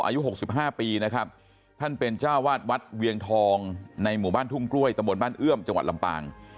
อายุ๖๕ปีนะครับท่านเป็นเจ้าวาดวัดเวียงทองในหมู่บ้านทุ่งกล้วยตะบนบ้านเอื้อมจังหวัดลำปาง